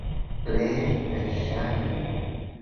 Plej verŝajne.